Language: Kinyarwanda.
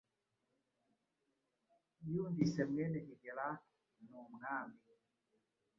Yumvise Mwene Higelac numwami